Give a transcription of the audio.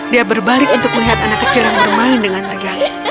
dia berbalik untuk melihat anak kecil yang bermain dengan tergali